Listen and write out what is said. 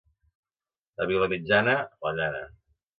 A Vilamitjana, la llana.